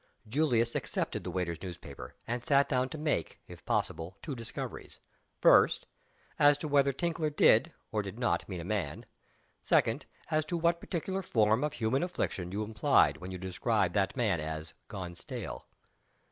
Julius accepted the waiter's newspaper, and sat down to make (if possible) two discoveries: First, as to whether "Tinkler" did, or did not, mean a man. Second, as to what particular form of human affliction you implied when you described that man as "gone stale."